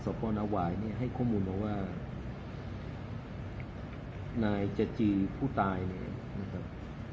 พ่อนาวายเนี่ยให้ข้อมูลมาว่านายเจจีผู้ตายเนี่ยนะครับ